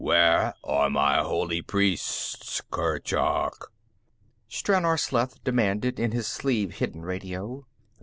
"Where are my holy priests, Kurchuk?" Stranor Sleth demanded in to his sleeve hidden radio.